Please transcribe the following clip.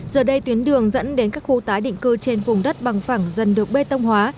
giờ đây tuyến đường dẫn đến các khu tái định cư trên vùng đất bằng phẳng dần được bê tông hóa